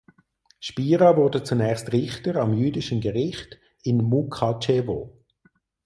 Spira wurde zunächst Richter am jüdischen Gericht in Mukatschewo.